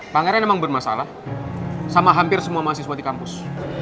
pangeran memang bermasalah sama hampir semua mahasiswa di kampus